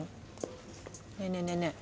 ねえねえねえねえ。